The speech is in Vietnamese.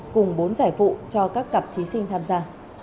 cùng bốn giải phụ cho các cặp thí sinh tham gia